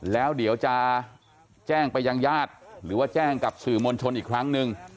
แล้วเดี๋ยวจะแจ้งไปยังญาติหรือว่าแจ้งกับสื่อมวลชนอีกครั้งหนึ่ง